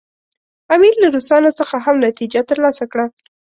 امیر له روسانو څخه هم نتیجه ترلاسه کړه.